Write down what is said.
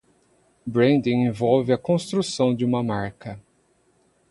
Branding envolve a construção de uma marca.